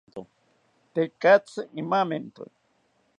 Tekatzi imamento